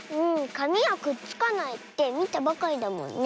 かみはくっつかないってみたばかりだもんね。